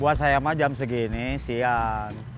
buat saya mah jam segini siang